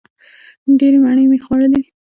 ډېرې مڼې مې وخوړلې!